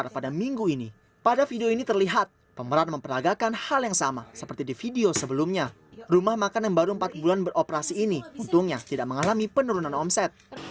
pembelian rumah makan di rumah makan yang baru empat bulan beroperasi ini untungnya tidak mengalami penurunan omset